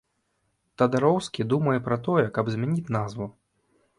Тадароўскі думае пра тое, каб змяніць назву.